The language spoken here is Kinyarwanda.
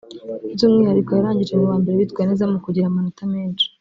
By’umwihariko yarangije mu ba mbere bitwaye neza mu kugira amanota menshi